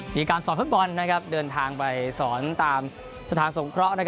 มีการสอนฟุตบอลเดินทางไปสอนตามสถานสงเคราะห์